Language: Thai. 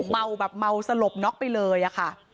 เมาแบบเมาสลบน็อกไปเลยอะค่ะ